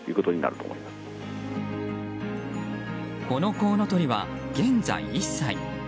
このコウノトリは現在１歳。